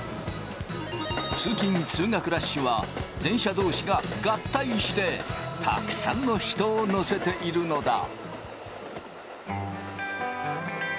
通勤・通学ラッシュは電車同士が合体してたくさんの人を乗せているのだ。